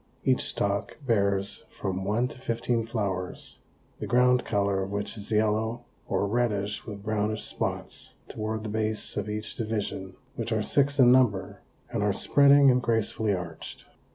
Each stalk bears from one to fifteen flowers, the ground color of which is yellow or reddish with brownish spots toward the base of each division, which are six in number and are spreading and gracefully arched.